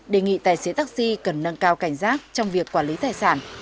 đề nghị tài xế taxi cần nâng cao cảnh giác trong việc quản lý tài sản